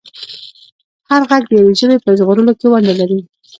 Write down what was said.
هر غږ د یوې ژبې په ژغورلو کې ونډه لري.